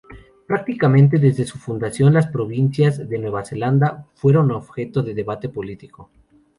Prácticamente desde su fundación, las provincias de Nueva Zelanda fueron objeto de debate político.